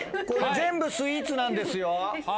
これ全部スイーツなんですよ。